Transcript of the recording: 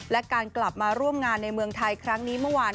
และการกลับมาร่วมงานในเมืองไทยครั้งนี้เมื่อวาน